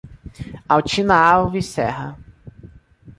Altina Alves Serra